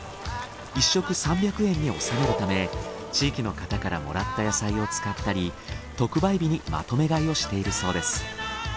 １食３００円に収めるため地域の方からもらった野菜を使ったり特売日にまとめ買いをしているそうです。